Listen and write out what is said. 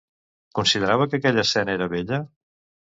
Considerava que aquella escena era bella?